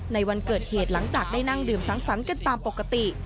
ในวันเกิดเหตุหลังจากได้นั่งดื่มสังสรรค์กันตามปกติ